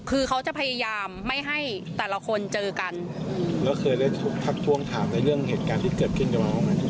คือเขาจะพยายามไม่ให้แต่ละคนเจอกันแล้วเคยได้ทักทวงถามในเรื่องเหตุการณ์ที่เกิดขึ้นกับน้องไหม